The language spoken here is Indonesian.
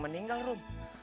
meninggal rum abadi